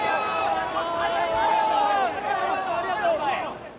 ありがとう。